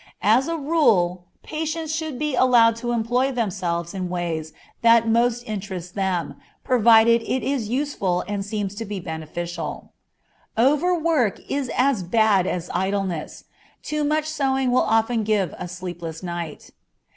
As a rule, patients should be allowed to employ themselves in ways that most interest them, provided it is useful and seems to be beneficial. Over work is as bad as idleness; too much sewing will often give a sleepless night.